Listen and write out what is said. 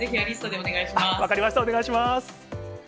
お願いします。